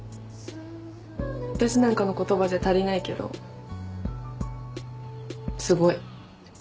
私なんかの言葉じゃ足りないけどすごい。